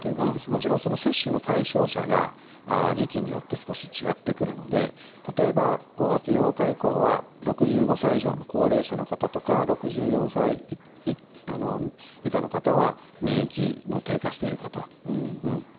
もちろんその接種の対象者が時期によって少し違ってくるので例えば５月８日以降は６５歳以上の高齢者の方とか６４歳以下の方は免疫の低下している方。